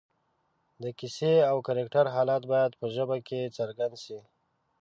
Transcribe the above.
د کیسې او کرکټر حالت باید په ژبه کې څرګند شي